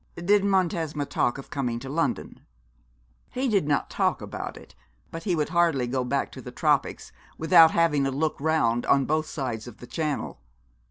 'Did Montesma talk of coming to London?' 'He did not talk about it; but he would hardly go back to the tropics without having a look round on both sides of the Channel.